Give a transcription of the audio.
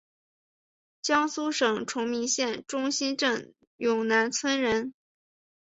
江苏省崇明县中兴镇永南村人。